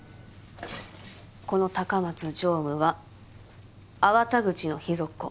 この高松常務は粟田口の秘蔵っ子。